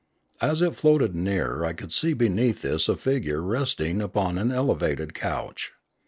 As it floated nearer I could see beneath this a figure resting upon an elevated couch.